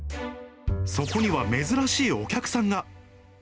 そこには珍しいお客さんが。